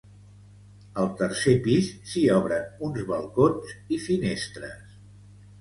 Al tercer pis s'hi obren uns balcons i finestres.